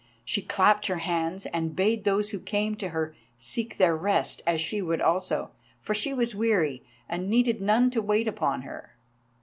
She clapped her hands, and bade those who came to her seek their rest, as she would also, for she was weary and needed none to wait upon her.